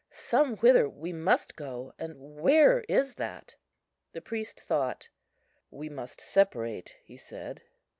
Somewhither we must go, and where is that?" The priest thought. "We must separate," he said.